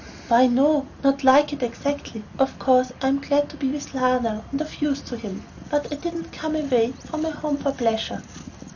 "Why no, not like it exactly. Of course I'm glad to be with Lionel and of use to him, but I didn't come away from home for pleasure."